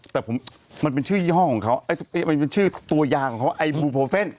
แต่มันเป็นชื่อยี่ห้อของเขามันเป็นชื่อตัวยางของเขาไอ้บลูโพเฟ่น